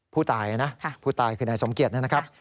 ผู้ตายนะผู้ตายคือนายสมเกียจนะครับ